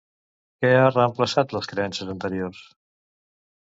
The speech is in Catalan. Què ha reemplaçat les creences anteriors?